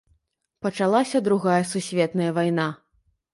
Пачалася другая сусветная вайна.